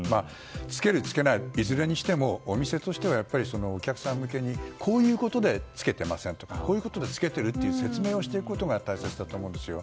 着ける、着けないいずれにしてもお店としてはやっぱりお客さん向けにこういうことで着けていませんとかこういうことで着けているとか説明をしていくことが大切だと思うんですよ。